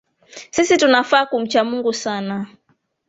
Sisi tunafaa kumcha Mungu sana